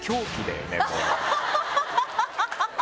ハハハハ！